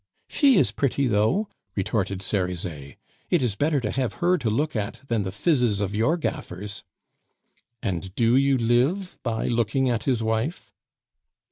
"She is pretty though," retorted Cerizet; "it is better to have her to look at than the phizes of your gaffers." "And do you live by looking at his wife?"